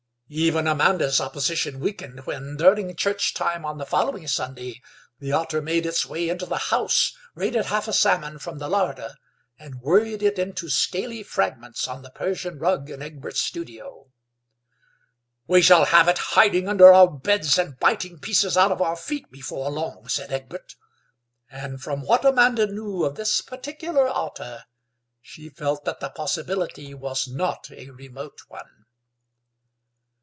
Even Amanda's opposition weakened when, during church time on the following Sunday, the otter made its way into the house, raided half a salmon from the larder and worried it into scaly fragments on the Persian rug in Egbert's studio. "We shall have it hiding under our beds and biting pieces out of our feet before long," said Egbert, and from what Amanda knew of this particular otter she felt that the possibility was not a remote one.